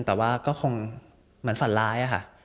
แต่ว่าก็คงเหมือนฝันร้ายอะค่ะ